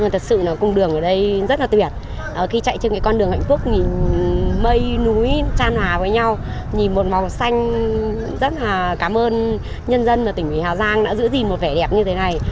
thật sự là cung đường ở đây rất là tuyệt khi chạy trên con đường hạnh phúc mây núi tràn hà với nhau nhìn một màu xanh rất là cảm ơn nhân dân tỉnh ủy hà giang đã giữ gìn một vẻ đẹp như thế này